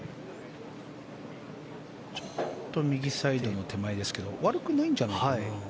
ちょっと右サイドの手前ですけど悪くないんじゃないかな。